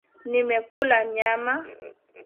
Nimekula nyama.